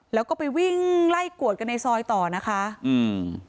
แล้วก็ไปวิ่งไล่กวดกันในซอยต่อนะคะอืม